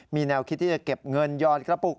มีแนวคิดที่จะเก็บเงินหยอดกระปุก